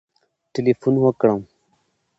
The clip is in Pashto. ټلېفون وکړم